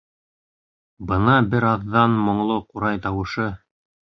Бына бер аҙҙан моңло ҡурай тауышы...